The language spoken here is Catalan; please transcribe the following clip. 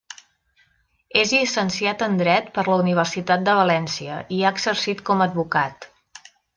És llicenciat en dret per la Universitat de València i ha exercit com advocat.